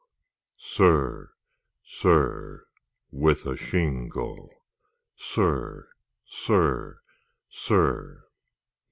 Sir, sir, with a shingle— Sir, sir, sir!